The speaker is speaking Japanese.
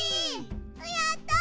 やった！